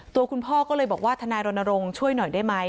ตัวคุณพ่อก็เลยบอกว่าทนายรณรงค์ช่วยหน่อยได้ไหม